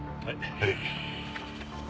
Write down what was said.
はい。